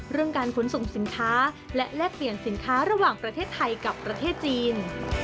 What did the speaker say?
การขนส่งสินค้าและแลกเปลี่ยนสินค้าระหว่างประเทศไทยกับประเทศจีน